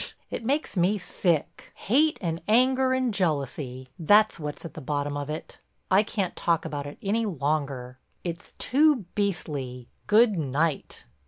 "Tch—it makes me sick! Hate and anger and jealousy—that's what's at the bottom of it. I can't talk about it any longer—it's too beastly. Good night!"